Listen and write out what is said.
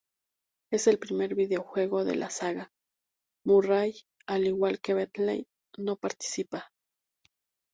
En el primer videojuego de la saga, Murray, al igual que Bentley, no participa.